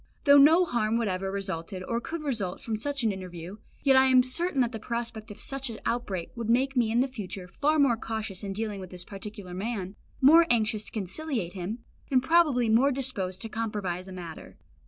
Though no harm whatever resulted or could result from such an interview, yet I am certain that the prospect of such an outbreak would make me in the future far more cautious in dealing with this particular man, more anxious to conciliate him, and probably more disposed to compromise a matter.